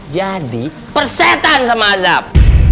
jadi persetan sama azab